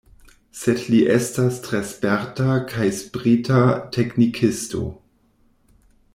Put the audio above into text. Sed li estas tre sperta kaj sprita teknikisto.